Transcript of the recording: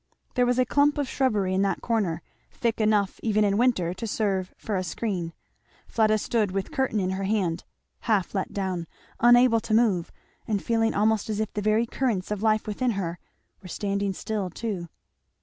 There was a clump of shrubbery in that corner thick enough even in winter to serve for a screen. Fleda stood with the curtain in her hand, half let down, unable to move, and feeling almost as if the very currents of life within her were standing still too.